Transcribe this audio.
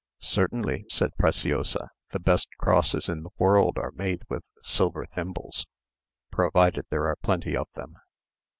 "Certainly," said Preciosa; "the best crosses in the world are made with silver thimbles, provided there are plenty of them."